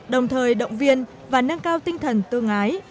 đồng thời động viên và nâng cao tinh thần tương ái